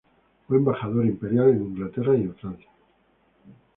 Fue embajador imperial en Inglaterra y en Francia.